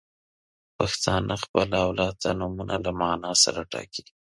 • پښتانه خپل اولاد ته نومونه له معنا سره ټاکي.